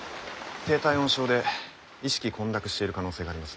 低体温症で意識混濁している可能性があります。